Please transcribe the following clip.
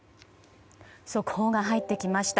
速報が入ってきました。